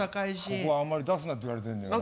ここはあんまり出すなって言われてんだよね。